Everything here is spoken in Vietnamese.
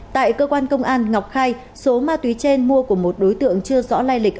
tại cơ quan công an ngọc khai số ma túy trên mua của một đối tượng chưa rõ lai lịch